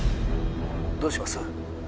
☎どうします？